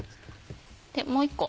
もう１個。